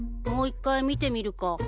もう１回見てみるか。